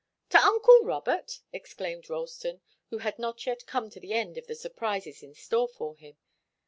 "To uncle Robert!" exclaimed Ralston, who had not yet come to the end of the surprises in store for him.